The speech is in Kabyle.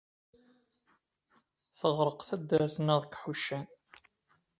Teɣreq taddart-nneɣ deg yiḥuccan.